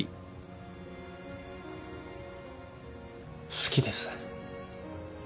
好きです。